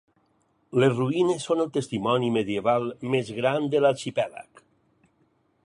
Les ruïnes són el testimoni medieval més gran de l'arxipèlag.